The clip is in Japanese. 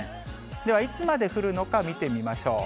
では、いつまで降るのか見てみましょう。